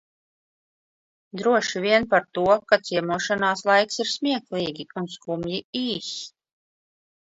Droši vien par to, ka ciemošanās laiks ir smieklīgi un skumji īss.